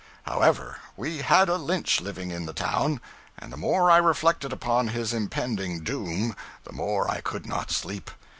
However, we had a Lynch living in the town; and the more I reflected upon his impending doom, the more I could not sleep.